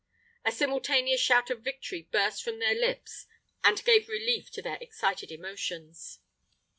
A simultaneous shout of victory burst from their lips and gave relief to their excited emotions.